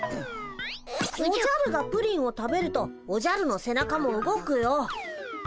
おじゃるがプリンを食べるとおじゃるの背中も動くよ。